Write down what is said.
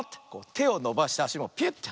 てをのばしてあしもピュッて。